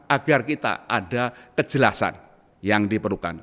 agar kita ada kejelasan yang diperlukan